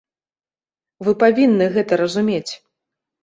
Вы павінны гэта разумець!